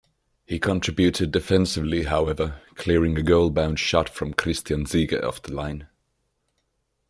He contributed defensively, however, clearing a goal-bound shot from Christian Ziege off the line.